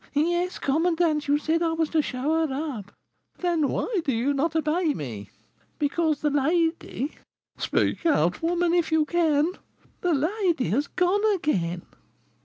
'Yes, commandant; you said I was to show her up.' 'Then why do you not obey me?' 'Because the lady ' 'Speak out, woman, if you can!' 'The lady has gone again.'